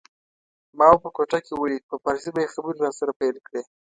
ما به په کوټه کي ولید په پارسي به یې خبري راسره پیل کړې